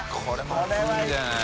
これも熱いんじゃない？